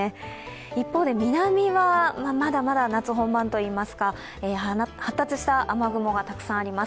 一方で南はまだまだ夏本番といいますか、発達した雨雲がたくさんあります。